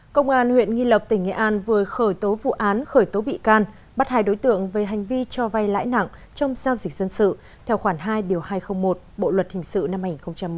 công an huyện nghi lộc tỉnh nghệ an vừa khởi tố vụ án khởi tố bị can bắt hai đối tượng về hành vi cho vay lãi nặng trong giao dịch dân sự theo khoản hai điều hai trăm linh một bộ luật hình sự năm hai nghìn một mươi năm